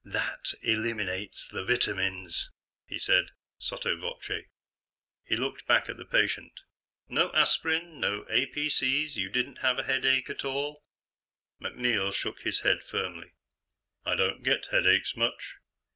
"That eliminates the vitamins," he said, sotto voce. He looked back at the patient. "No aspirin? No APC's? You didn't have a headache at all?" MacNeil shook his head firmly. "I don't get headaches much."